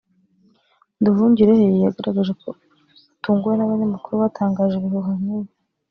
Nduhungirehe yagaragaje ko atunguwe n’abanyamakuru batangaje ibihuha nk’ibi